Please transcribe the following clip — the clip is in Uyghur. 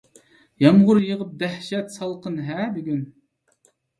يامغۇر يېغىپ دەھشەت سالقىن-ھە بۈگۈن.